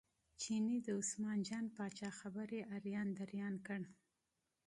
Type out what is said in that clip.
چیني د عثمان جان پاچا خبرې اریان دریان کړ.